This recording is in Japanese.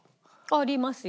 ありますよ。